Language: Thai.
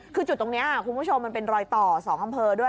คือจุดตรงนี้คุณผู้ชมมันเป็นรอยต่อ๒อำเภอด้วย